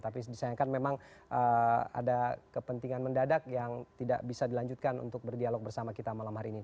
tapi disayangkan memang ada kepentingan mendadak yang tidak bisa dilanjutkan untuk berdialog bersama kita malam hari ini